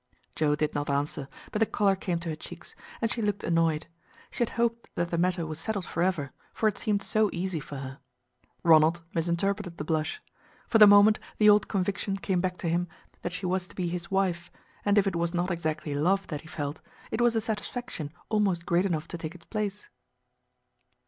Joe did not answer, but the color came to her cheeks, and she looked annoyed. She had hoped that the matter was settled forever, for it seemed so easy for her. Ronald misinterpreted the blush. For the moment the old conviction came back to him that she was to be his wife, and if it was not exactly love that he felt, it was a satisfaction almost great enough to take its place.